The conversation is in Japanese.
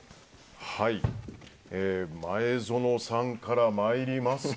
前園さんから参りますか。